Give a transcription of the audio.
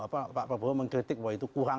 pak prabowo mengkritik bahwa itu kurang